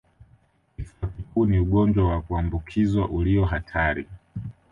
Kifua kikuu ni ugonjwa wa kuambukizwa ulio hatari